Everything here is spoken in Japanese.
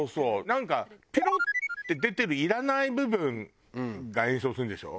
なんかペロッて出てるいらない部分が炎症するんでしょ？